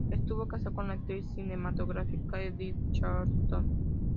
Estuvo casado con la actriz cinematográfica Edith Thornton.